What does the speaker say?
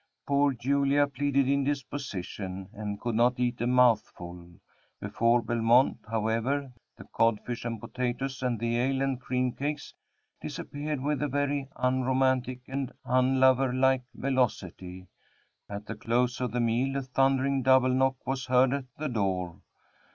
Poor Julia pleaded indisposition, and could not eat a mouthful. Before Belmont, however, the codfish and potatoes, and the ale, and cream cakes disappeared with a very unromantic and unlover like velocity. At the close of the meal, a thundering double knock was heard at the door.